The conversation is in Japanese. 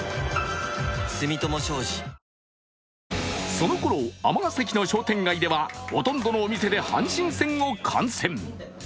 そのころ、尼崎の商店街ではほとんどのお店で阪神戦を観戦。